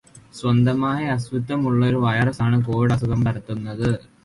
സ്വന്തമായി അസ്തിത്വം ഉള്ള ഒരു വൈറസ് ആണ് കോവിഡ് അസുഖം പരത്തുന്നത്